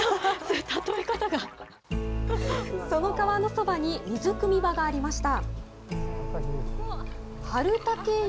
その川のそばに水くみ場がありました。